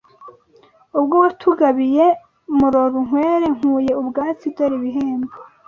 Ubwo watugabiye Murorunkwere Nkuye ubwatsi dore ibihembo